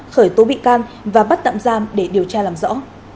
khởi tố bị can và bắt tạm giam để điều tra làm rõ